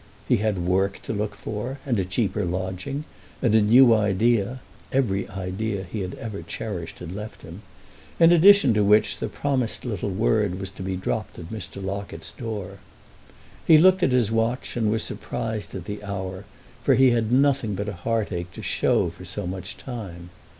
He had work to look for, and a cheaper lodging, and a new idea (every idea he had ever cherished had left him), in addition to which the promised little word was to be dropped at Mr. Locket's door. He looked at his watch and was surprised at the hour, for he had nothing but a heartache to show for so much time.